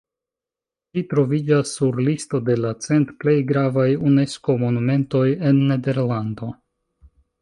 Ĝi troviĝas sur listo de la cent plej gravaj Unesko-monumentoj en Nederlando.